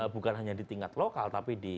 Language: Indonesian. bukan hanya di tingkat lokal tapi di